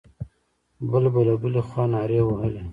بل به له بلې خوا نارې وهلې.